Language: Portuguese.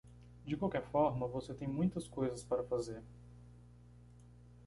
De qualquer forma, você tem muitas coisas para fazer.